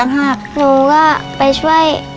หนูก็ไปช่วย